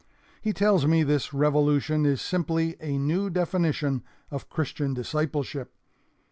He tells me this revolution is simply a new definition of Christian discipleship.